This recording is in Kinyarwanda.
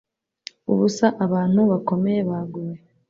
Ubusa abantu bakomeye baguye